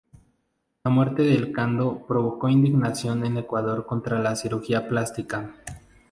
La muerte de Cando provocó indignación en Ecuador contra la cirugía plástica.